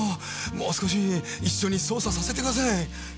もう少し一緒に捜査させてください。